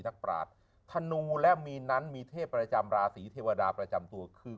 ปราศธนูและมีนั้นมีเทพประจำราศีเทวดาประจำตัวคือ